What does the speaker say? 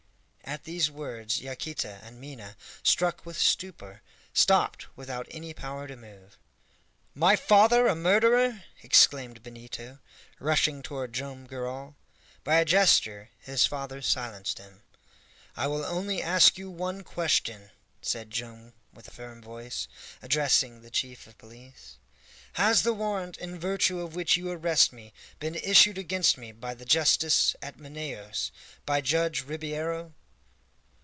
At these words Yaquita and Minha, struck with stupor, stopped without any power to move. "My father a murderer?" exclaimed Benito, rushing toward Joam Garral. By a gesture his father silenced him. "I will only ask you one question," said Joam with firm voice, addressing the chief of police. "Has the warrant in virtue of which you arrest me been issued against me by the justice at Manaos by Judge Ribeiro?"